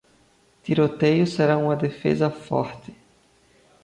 Tiroteio será uma defesa forte.